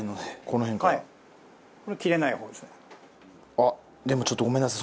あっでもちょっとごめんなさい。